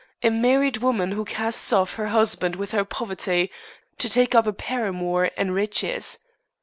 A married woman who casts off her husband with her poverty, to take up a paramour and riches!